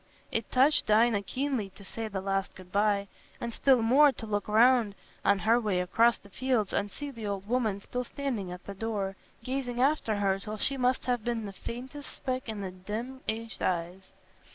It touched Dinah keenly to say the last good bye, and still more to look round on her way across the fields and see the old woman still standing at the door, gazing after her till she must have been the faintest speck in the dim aged eyes.